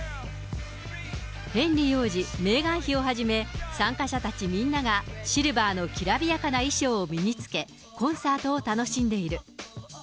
ヘンリー王子、メーガン妃をはじめ、参加者たちみんながシルバーのきらびやかな衣装を身に着け、コンサートを楽しんでいる。